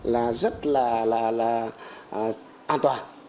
là rất là an toàn